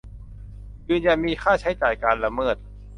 ยืนยันมีค่าใช้จ่ายการละเมิด